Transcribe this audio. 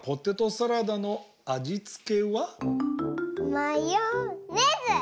マヨネーズ！